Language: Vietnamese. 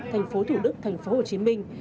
thành phố thủ đức thành phố hồ chí minh